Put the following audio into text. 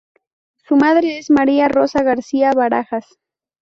Su madre es María Rosa García Barajas.